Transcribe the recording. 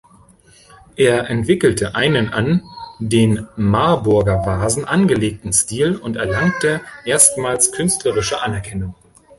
Er entwickelte einen an den "Marburger Vasen" angelegten Stil und erlangte erstmals künstlerische Anerkennung.